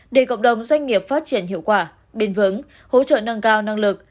để cộng đồng doanh nghiệp phát triển hiệu quả bền vững hỗ trợ nâng cao năng lực